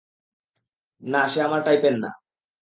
না সে আমার টাইপের না।